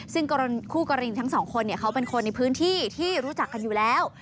ซึ่งคู่กรณีทั้งสองคนเขาเป็นคนในพื้นที่ที่รู้จักกันอยู่แล้ว